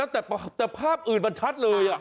แต่ภาพอื่นมันชัดเลย